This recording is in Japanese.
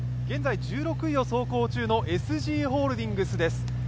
現在、１６位を走行中のＳＧホールディングスグループです。